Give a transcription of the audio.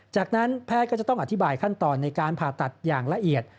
จากนั้นแพทย์ก็จะต้องอธิบายขั้นตอนในการผ่าตัดอย่างละเอียด